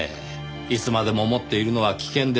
いつまでも持っているのは危険ですから。